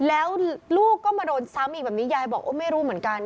แล้วลูกก็มาโดนซ้ำอีกแบบนี้ยายบอกไม่รู้เหมือนกัน